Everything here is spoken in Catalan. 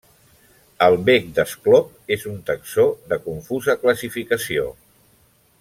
El bec d'esclop, és un taxó de confusa classificació.